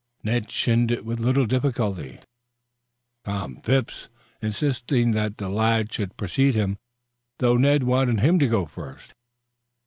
Ned shinned it with little difficulty, Tom Phipps insisting that the lad should precede him, though Ned wanted him to go first.